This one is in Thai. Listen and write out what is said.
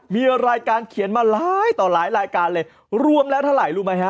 มีรายการเขียนมาหลายต่อหลายรายการเลยรวมแล้วเท่าไหร่รู้ไหมฮะ